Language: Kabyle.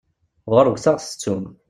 Ɣuṛwet ad aɣ-tettum!